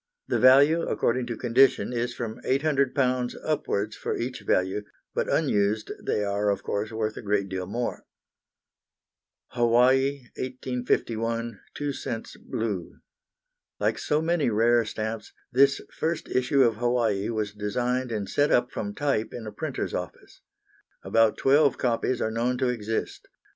The value, according to condition, is from £800 upwards for each value, but unused they are of course worth a great deal more. Hawaii, 1851, 2 cents, blue. Like so many rare stamps, this first issue of Hawaii was designed and set up from type in a printer's office. About twelve copies are known to exist.